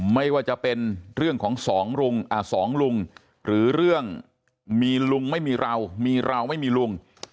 ไม่ว่าจะเป็นเรื่องของสองลุงหรือเรื่องมีลุงไม่มีเรามีเราไม่มีลุง